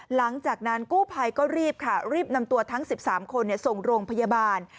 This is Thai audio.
หลังจากนั้นกู้ภัยก็รีบค่ะรีบนำตัวทั้ง๑๓คนส่งโรงพยาบาล